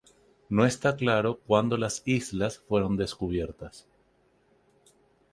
No está claro cuando las islas fueron descubiertas.